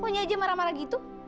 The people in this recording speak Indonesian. pokoknya aja marah marah gitu